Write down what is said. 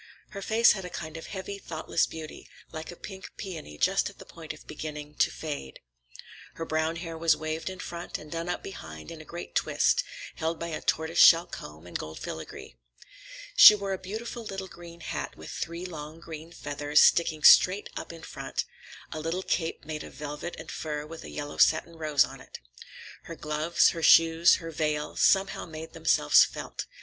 Her face had a kind of heavy, thoughtless beauty, like a pink peony just at the point of beginning to fade. Her brown hair was waved in front and done up behind in a great twist, held by a tortoiseshell comb with gold filigree. She wore a beautiful little green hat with three long green feathers sticking straight up in front, a little cape made of velvet and fur with a yellow satin rose on it. Her gloves, her shoes, her veil, somehow made themselves felt.